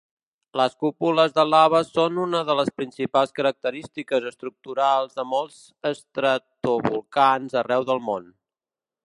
Les cúpules de lava són una de les principals característiques estructurals de molts estratovolcans arreu del món.